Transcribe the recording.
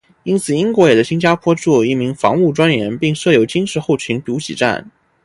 因此英国也在新加坡驻有一名防务专员并设有军事后勤补给站。